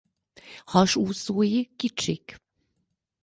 Hasúszói kicsik.